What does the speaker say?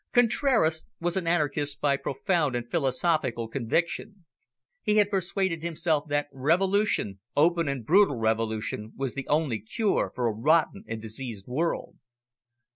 Contraras was an anarchist by profound and philosophical conviction. He had persuaded himself that revolution, open and brutal revolution, was the only cure for a rotten and diseased world.